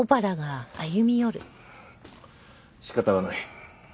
仕方がない。